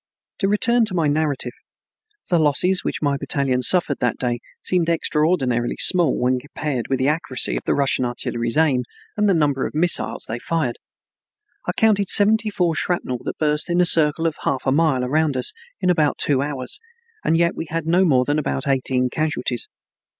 To return to my narrative, the losses which my battalion suffered that day seemed extraordinarily small when compared with the accuracy of the Russian artillery's aim and the number of missiles they fired. I counted seventy four shrapnel that burst in a circle of half a mile around us in about two hours, and yet we had no more than about eighteen casualties.